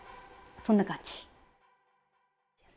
そんな感じ。